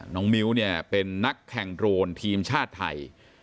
น้องมิวเป็นนักแข่งโดรนทีมชาติไทย